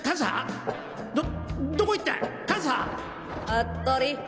服部！